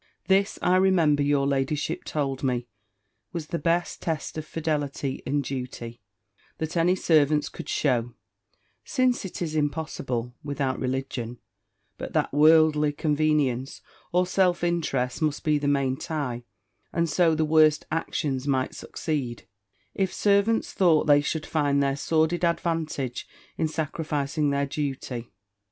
This, I remember, your ladyship told me, was the best test of fidelity and duty, that any servants could shew; since it was impossible, without religion, but that worldly convenience, or self interest, must be the main tie; and so the worst actions might succeed, if servants thought they should find their sordid advantage in sacrificing their duty.